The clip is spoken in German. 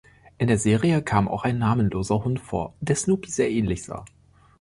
In der Serie kam auch ein namenloser Hund vor, der Snoopy sehr ähnlich sah.